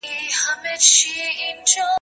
له بارانه وﻻړ سوې، تر ناوې لاندي کښېنستې.